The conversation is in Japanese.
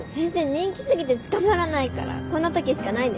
人気過ぎてつかまらないからこんなときしかないんです。